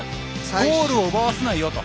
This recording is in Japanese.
ゴールを奪わせないよと。